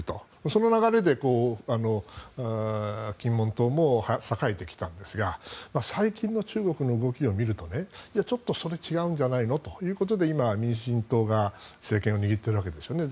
その流れで金門島も栄えてきたんですが最近の中国の動きを見るとちょっとそれ違うんじゃないのということで今、民進党が政権を握っているわけですよね。